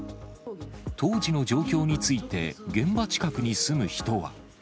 当時の状況について、現場近くに住む人は。